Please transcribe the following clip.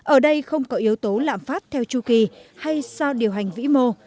ở đây không có yếu tố lạm phát theo chu kỳ hay sau điều hành vĩ mô